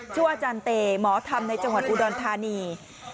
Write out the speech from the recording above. อาจารย์เตหมอธรรมในจังหวัดอุดรธานี